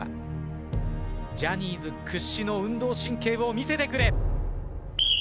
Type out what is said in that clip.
ジャニーズ屈指の運動神経を見せてくれ！